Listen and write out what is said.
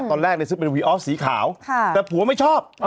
ตอนแรกได้ซื้อเป็นวีออฟสีขาวค่ะแต่ผัวไม่ชอบอ๋อ